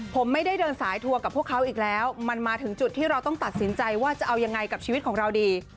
ผมไม่ได้เดินสายทัวร์กับพวกเขาอีกแล้วมันมาถึงจุดที่เราต้องตัดสินใจว่าจะเอายังไงกับชีวิตของเราดี